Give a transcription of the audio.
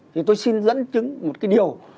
thì tôi xin dẫn chứng một cái điều